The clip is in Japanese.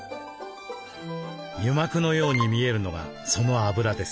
油膜のように見えるのがその脂です。